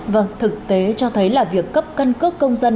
vâng thực tế cho thấy là việc cấp căn cước công dân